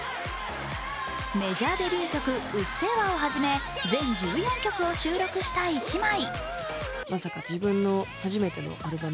メジャーデビュー曲「うっせぇわ」をはじめ全１４曲を収録した１枚。